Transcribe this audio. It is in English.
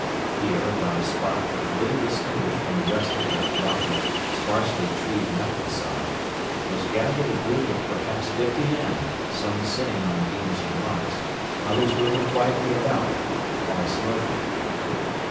Here, about a spot but little distinguished from the rest of the rocky, sparsely treed mountain side, was gathered a group of perhaps fifty men, some sitting on beams and rocks, others moving quietly about, all smoking.